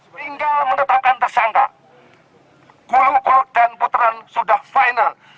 sehingga menetapkan tersangka gulug gulug dan potran sudah final